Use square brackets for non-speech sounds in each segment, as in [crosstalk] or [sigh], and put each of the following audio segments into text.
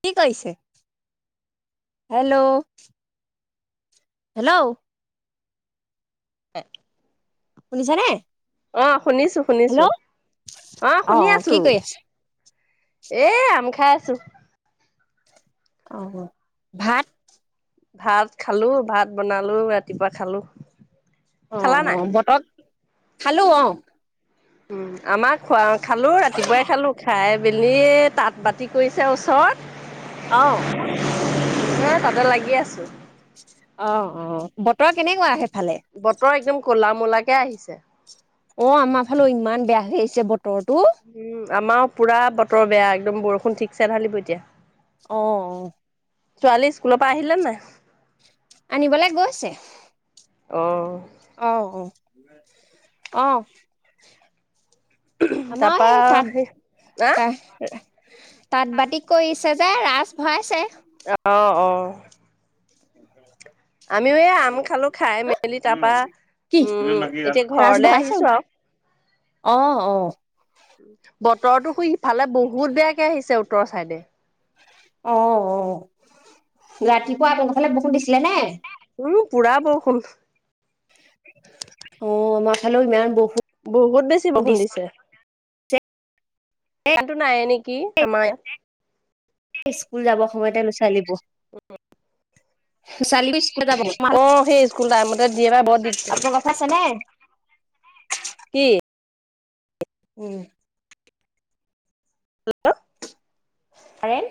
কি কৈছে hello, hello, হেত। শুনিছা নাই? অহ, শুনিছো -শুনিছো অহ অ শুনি কি আছো। কৰি আছে? এই আম খাই আছো। অহ ভাত? ভাত খালো ভাত বনালো ৰাতিপুৱা খালো। অহ খালা - অহ নাই বতক খালো অহ। উম, আমাৰ খোৱা খালো ৰাতিপুৱাই খালো খাই বিল্লিত। তাঁত বাতি কৰিছে উচ চত। আও, এইতাতে লাগি আছো। অহ -অহ বতৰ কেনেকুৱা সেইফ বতৰ একদম কলা মুলাকে আহিছে। অহ, আমাৰ ফালেও ইমান বেয়া হৈ আহিছে বত তৰটো। উম আমাৰ পুৰা বতৰ বেয়া একদম বৰষুণ ঠিকছে ধালিব এতিয়া। অহ, ছোৱালী স্কুলৰ পা আহিলে নাই? আনিবলৈ গৈছে। অহ, অহ -অহ- অহ আমাৰ তাৰপা হেই তাদ সেই [unintelligible] তাত বাতি কৰিছে যে ৰাজ ভৰাইছে? আহ [unintelligible] [inaudible] আমিও এই আম খালো খাই মেলি তাৰপা কি উম এতিয়া ঘৰলে আহিছো আৰু। অহ -অহ বতৰটো খুই ইফালে বহুত বেয়াকে আহিছে উত্তৰ চাইডে। অহ -অহ ৰাতিপুৱা আপোনালোকৰ ফালে বৰষুণ দিছিলে নে? উম, পুৰা বৰষুণ। অহ, আমাৰ ফালেও ইমান বৰষ বহুত বেছি বৰষুণ দিছে। গানটো নাই নেকি আমাৰে নাই। স্কুল যাব সময়তে নচাৱাইলিব। কুঠ চালি অ সেই স্কুল টাইমতে দে বাাই বৰ দিগ ফালে আছে নে? উ উম হেল্ল' হৰেণ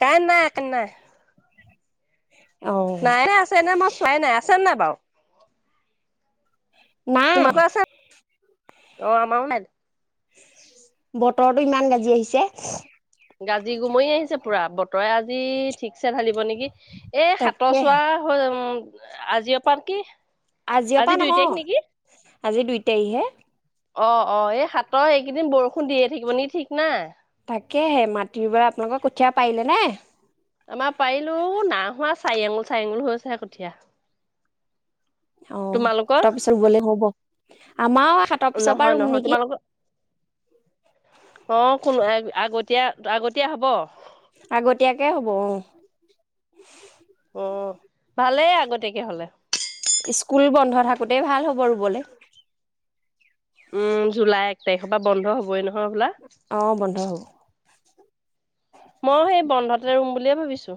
কাই নাই কে ন উ নাইে আছে ন মই চোৱাই নাই আছে নে নাই বাৰু নাই তোমালোকৰ আছে অ আম অওনাদ বতৰৰতটো ইমান গাজি আহিছে গাজি গুমৰি আহিছে পুৰা বতৰে আজি ঠিকছে ঢালিব নেকি এই সাতৰ চোৱা তাকেহে হৈ উ আজি অ পাৰ কি আজিিৰ আজি পৰা দুই তাৰিখ নেকি নহয় আজি দুই তাৰিখহে অ অ এই হাতৰ এইকেইদিন বৰষুণ দিয়ে থাকিব নিেি ঠিক না তাকেহে মাটিৰ পৰা আপোনালোকৰ কঠীয়া পাৰিলে নে আমাৰ পাৰিলো না হোৱা চাইি আঙুল চাৰিঙুল হৈ হৈছেহে কঠীয়া অ তোমালোকৰ সাতৰ পিছত গলে হ'ব আমাৰও সাতৰ পিছৰ পৰা নহয় ৰুম নহয় নেকি তোমালোকৰ অ কোনো আগতীয়া আগতীয়া হব আগতীয়াকে হব অ অ ভালেই আগতাকে হলে স্কুল বন্ধ থাকোতেই ভাল হ'ব ৰুবলৈ উম জুলাই এক তাৰিখৰ পৰা বন্ধ হ'বই নয় অ বন্ধ হব [inaudible] মই সেই বন্ধতে ৰুম বুলিয়ে ভাবিছো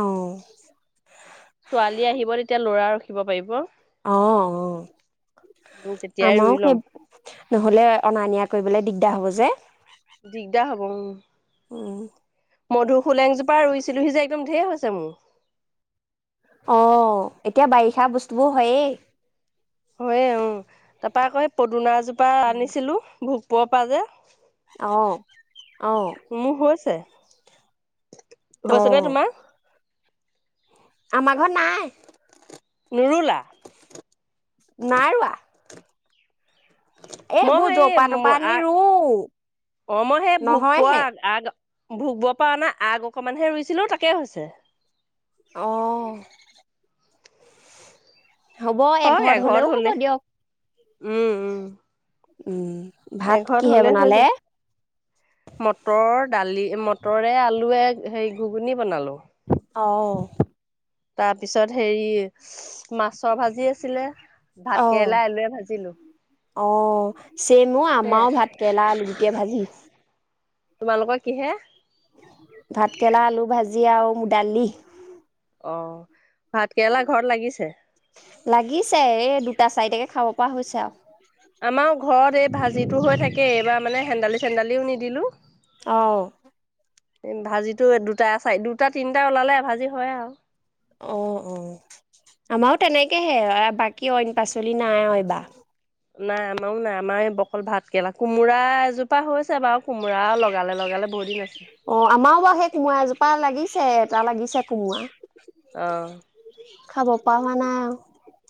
অ', আহিব তেতিয়া লৰাৰ ৰাখিব পাৰিব অ অ তেতিয়াই আমাৰো ৰুই সেই ল'ম নহলে অনা নিয়া কৰিবলে দিগ দহ বজে দিগদাৰ হ'ব উম উম। মধুসোলেংজোপা ৰুইছিলোহি যে একদম ধেৰ হৈছে মো আহ এতিয়া বাৰিষা বস্তুবোৰ হয়েই হয়য়ে অ তা পা আক পদুনাজো পা আনিছিলো ভোক প পা যে অ অ মোৰ হৈছে অ হৈছে নে তোমাৰ আমাৰ ঘৰ নাই নোৰুলা নাই ৰোৱা মই এইবোৰ সেই জপা তপা আনি আ ৰুওঁ অ মই সেই ভোগ পোৱা নহয়হে আগ ভুগব পা অনা আগ অকমানহে ৰুইছিলো তাকে হৈছে অ হ'ব হয় একঘৰত এঘৰত হলেও হ'ব হলে দিয়ক উম উম উম ভাত কিহে বনালে মটৰত দালি মটৰে আলুয়ে হেৰি ঘুগুনি বনালো অ তাৰপিছত হেৰি হুছ্ মাছৰ ভাজি আছিলে ভাত কেৰেলা আলুৱে ভাজিলো অ চেম অ সেয়াই আমাও ভাতকেৰেলা আলু গুটিয়ে ভাজি তোমালোকৰ কিহে ভাতকেলা আলু ভাজি আও দালি অ ভাতকেৰেলা ঘৰত লাগিছে লাগিছে এ দুটা চাৰিটাকে খাব পৰা হৈছে আও [unintelligible] ঘৰত এই ভাজি টো হৈ থাকে কেই এইবাৰ মানে চেন্দালি চেন্দালিও নিদিলো। অঁ। ভাজিটো দুটা চাৰ দুটা তিনিটা ওলালে এভাজি হয় আৰু। অঁ, অ' আমাৰো তেনেকেহে বাকী অইন পাচলি নাই আৰু এবাৰ। নাই আমাৰো নাই আমাৰ এই বকল ভাত কেলা কোমোৰা এযোপ [unintelligible] হৈছে বাৰু কোমোৰা লগালে লগালে বহুত দিন আছে। অঁ আমাৰো বাৰু সেই কোমোৰা এজোপা কপা লাগিছে এটা লাগিছে কোমুৰা। অঁ। [unintelligible] হোৱা নাই আৰু।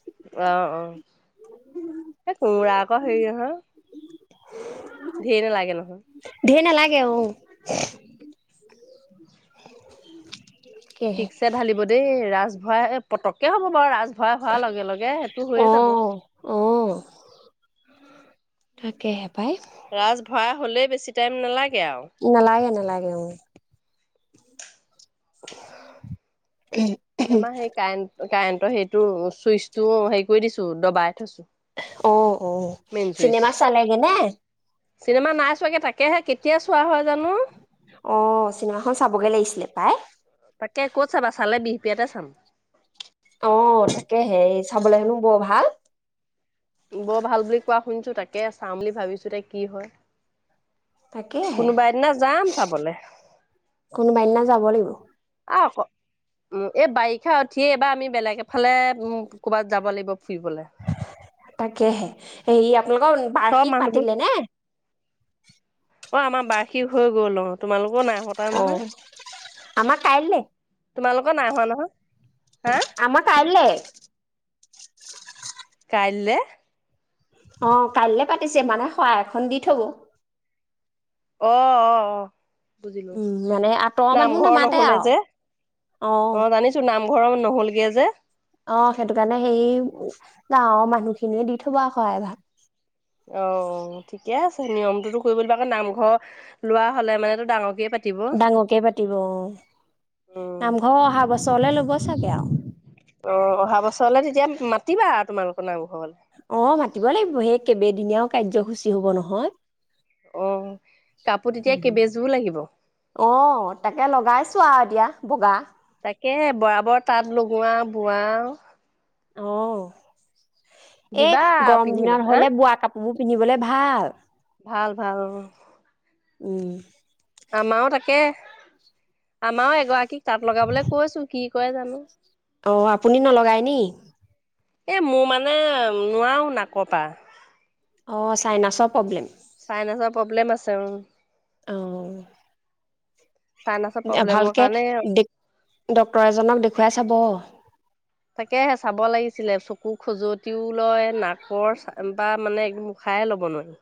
অঁ অঁ এই কোমোৰা আকৌ হেৰি নহয়। ধেৰি নালাগে নহয়। [unintelligible] ঠিকছে ঢালিব দেই ৰাজ হয় এ পটককে হ'ব বাৰু ৰাজ ভৰাই হোৱাৰ লগে লগে সেইটো হৈয়ে যাব অঁ অঁ। তাকেহে। পাই ৰাজ [unintelligible] হ'লে বেছি টাইম নালাগে আৰু নালাগে নালাগে। আমাৰ সেই কাৰেণ্ট [unintelligible] কাৰেণ্টৰ সেইটো চুইচ টো হেৰি কৰি দিছো দবাই। থৈছো অঁ, অ' মেইন চুইচ চিনেমা চালেগে নে। চিনেমা নাই চোৱাগে তাকেহে কেতিয়া চোৱা হয়। জানো অঁ চিনেমাখন চাবগে লাগিছিলে। পাই। তাকে ক'ত চাবা চালে বিহপিয়াতে চাম। অ তাকেহে এই চাবলৈ হেনো বৰ ভাল। বৰ ভাল বুলি কোৱা শুনিছো তাকে চাম বুলি ভাবিছো এতিয়া কি হয়। তাকেহে কোনোবা এদিনা যাম চাবলে। কোনোবা দিনা যাব লাগিব আক, এই বাৰিষা উঠিয়েই এইবাৰ আমি বেলেগ এফালে ক'ৰবাত যাব লাগিব। ফুৰিবলে তাকেহে এই। আপোনালোকৰ চব বাৰ্ষিক মানুহবোৰ পাতিলে নে। অঁ আমাৰ বাৰ্ষিক হৈ গ'ল অঁ তোমালোক অ আমা খাইলে তোমালোকৰ নাই হোৱা নহয় হা আম খাইলে কাইলৈ অ কাইলে পাতিছে মানে সহায় এখন দি থব আহ আহ আহ ু উম, মানে আঁতৰৰ মানুহ নামঘৰ নামাতে নহলে আৰু। যে অ জানিছো নাম ঘৰম নহ'লগে যে অ সেইটো কাৰণে সেই গাঁৱৰ মানুহখিনিয়ে দি থবক ভাল অ ঠিকে আছে নিয়মটোতো কৰিবিব আকৌ নাম লোৱা হ'লে মানে তটো ডাঙৰকিয় পাতি ডাঙৰকে পাতিব অ উম নামঘৰ অহা বছৰলে ল'ব চাগে আৰু অ অহা বছৰলে তেতিয়া মাতিবা আৰু তোমালোক নো অ ম তিব লাগিব সেই কেইবদিনীয়াও কাৰ্যসূচী হব নহয় অ কাপোৰ তেতিয়া কেইবেজোৰ লাগিব অ তাকে লগাইছো আৰু এতিয়া বগা তাকে বৰাবৰ তাঁত লগোৱা বোৱা আহ এ দিবা আৰু গৰম পিন্ধিব দিনত হা হলে বোৱা কাপোৰ বোৰ পিন্ধিবলে ভাল ভাল ভাল উম আমাৰও তাকে আমাৰও এগৰাকীক তাঁত লগাবলে কৈছো কি শ কয় জানো অ আপুনি নলগায় নি এ মোৰ মানে নোৱাৰও নাকতা অ চাইনাছৰ প্ৰব্লেম চাইনেছৰ প্ৰব্লেম আছে উ অ চাইনাছৰ প্ৰব্লেমৰ ভালকে কাৰণে দে ড্ক্তৰ এজনক দেখুৱাই চাব তাকেহে চাব লাগিছিলে চকু খজুৱতিও লয় নাকৰ বা মানে মুখাইে লব নোৱাৰি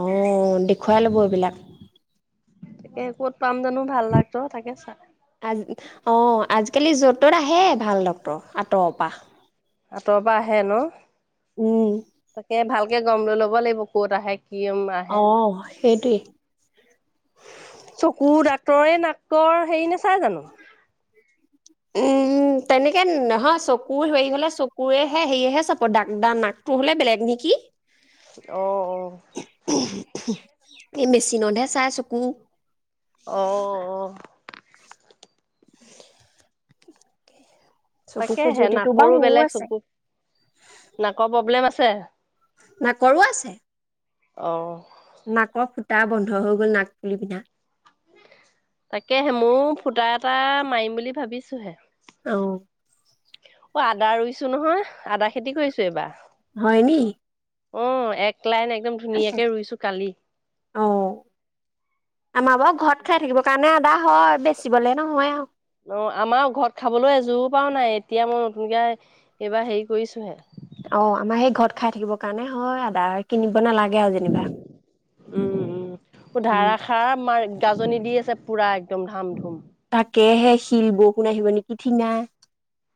আহ দেখুৱাই ল'ব এইবিলাক তাকে ক'ত পাম জানো ভাল লাগত তাকে চাই আ অ আজিকালি য'ত ত'ত আহে ভাল ডক্তৰ আঁতৰপা আঁতৰৰ পৰা আহে ন উম, তাকে ভাল গমৈ লব লাগিব ক'ত আহে কি আহে অ' সেইটোৱে। চকু ডাক্তৰে নাক ত হেৰি নে চাই জানো উম তেনেকে নহয়, চকুৰ হেৰি হলে চকুৰেহে হেৰিয়হে চাব, দাগ দা নাকটো হলে বেলেগ নেকি! অ, অ। এই মেচিনতহে চাই চকু। অ অ। চকু তাকেহে খজুৱতিটো বাৰু নাকৰো মোৰো বেলেগ আছে, চকু, নাকৰ প্ৰব্লেম আছে। ছে। নাকৰো আছে। অ। নাকৰ ফুটা বন্ধ হৈ গল। নাক পুলি পিন্ধা তাকেহে ময়ো ফুটা এটা মাৰিম বুলি ভাবিছোহে। অ। অ আদা ৰুইছোঁ নহয়, আদা খেতি কৰিছোঁ এইবাৰ। হয় নি? অ, এক লাইন একদম ধুনীয়াকে ৰুইছোঁ কালি। অ' আমাৰ বাৰু ঘৰত খাই থাকিব কাৰণে আদা হয়, বেচিবলে নহয় আৰু। অ আমাৰ ঘৰত খাবলৈ এযোপাও নাই, এতিয়া মই নতুনকে এইবাৰ হেৰি কৰিছোহে। অ আমাৰ সেই ঘৰত খাই থাকিব কাৰণে হয় আদা, কিনিব নালাগে আৰু যেনিবা উম উম। উম ধাৰাষাৰ মাৰ গাজনি দি আছে, পূৰা একদম ধাম ধুম। তাকেহে শিল বৰষুণ আহিব নেকি! ঠিঙা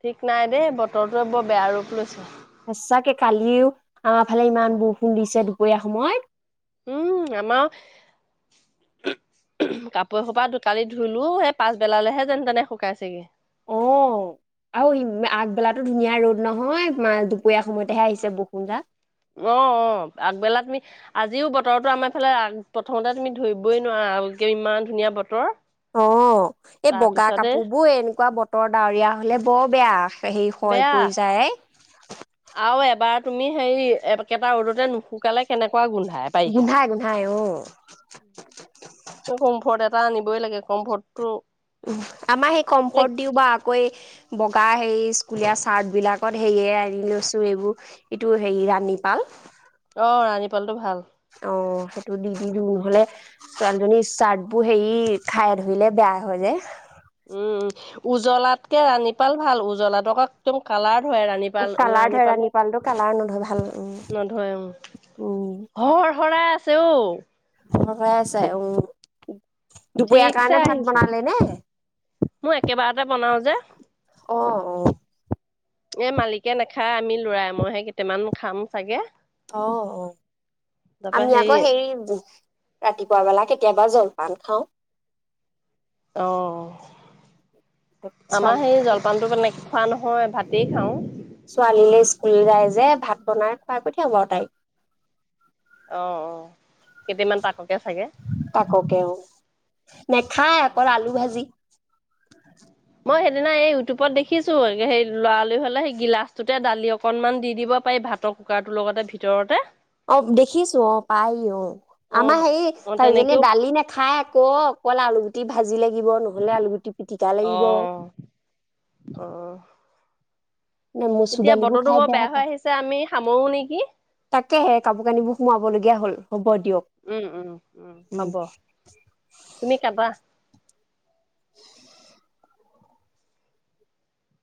ঠিক নাই দেই, বতৰটোৱে বৰ বেয়া ৰূপ লৈছে। সঁচাকে কালিও আমাৰ ফালে ইমান বৰষুণ দিছে দুপৰীয়া সময়ত। উম আমাৰ, কাপোৰ এসোপা দুটালি ধোলো সেই পাছবেলা লৈহে যেন তেনে শুকাইছেগে। অ, আৰু আগবেলাটো ধুনীয়া ৰ'দ নহয়। মা দুপৰীয়া সময়তেহে আহিছে বৰষুণ জাক। অ অ, আগবেলা তুমি, আজিও বতৰটো আমাৰ এইফালে প্ৰথমতে তুমি ধৰিবই নোৱাৰা কি ইমান ধুনীয়া বতৰ। অ, এই বগা তাৰপিছতে কাপোৰ বোৰ এনেকুৱা বত তৰ ডাৱৰীয়া হ'লে বৰ বেয়া। সেই সয় বেয়া পৰি যায়। বাৰ তুমি হেৰি, একেটা ৰ'দতে নুশুকালে কেনে কোৱা গোন্ধাই বাৰিষা। গোন্ধাই গোন্ধাই অ কমফৰ্ট এ টা আনিবই লাগে, কম্ফৰ্ট টো আমাৰ সেই কমফৰ্ট দিওঁ বা আকৌ এই বগা হেৰি স্কুলীয়া চাৰ্ট বিলাকত হেয়ে আনি লৈছো এইবোৰ, এইটো হেৰি ৰাণীপাল। অঁ ৰাণীপালটো ভাল। অ, সেইটো দি দিলো নহলে ছোৱালীজনীৰ চাৰ্ট বোৰ হেৰি খাই ধৰিলে বেয়া হয় যে। উম, উম। উজলাতকে ৰাণীপাল ভাল, উজলাত আকৌ একদম কালাৰ ধৰে ৰাণীপাল, কালাৰ ধৰে ৰাণীপালৰ ৰাণীপালটো কালাৰ নধৰে ভাল উম নধৰে উম, উম হৰ হৰাই ছোঁ। সাই আছে আইও দুপৰীয়াৰ ঠিকছে কাৰণে ভাত আহিছে। বনালে নে মোৰ একেবাৰতে বনাও যে অ অ এ মালিকে নাখায় আমি লৰাই মইহে কেইটামান খাম চাগে অ অ তাৰপা আমি সেই আকৌ হেৰি ৰাতিপুৱা বেলা কেতিয়াবা জল পান খাওঁ আহ আমাৰ সেই ছোৱালী জলপানটো মানে খোৱা নহয় ভাতেই খাওঁ ছোৱালীলে স্কুল যায় যে ভাত বনাই খুৱাই পঠিযা লো আৰু তাইক আহ অ কেইটামান তাককে চাগে। তাককেও, নেখায় অকল আলু ভাজি মই সেইদিনা এই ইউটিউবত দেখিছোঁ, সেই ল'ৰালৰি হ'লে সেই গিলাচটোতে দালি অকণমান দি দিব পাৰি ভাতৰ কুকাৰটোৰ লগতে ভিতৰতে। অ দেখিছো, অ পায় অ, অ আমাৰ অ সেইজনীয়ে তেনেকেও দালি নেখায় আকৌ কল আলু গুট টি ভা জি লাগিব, নহলে আলুগুটি পিটিকা অ লাগিব। অ ন মচুৰ এতিয়া দালিবোৰ বতৰটো খাই বৰ বেয়া হৈ পায়, আহিছে আমি সামৰো নেকি তাকেহে কাপোৰ কানিবোৰ সোমাবলগীয়া হ'ল। হ'ব দিয়ক উম উম উম হব, তুমি খাবা?